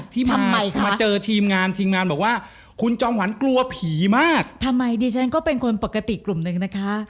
ทำไมดิฉันก็เป็นคนปกติกลุ่มหนึ่งนะคะ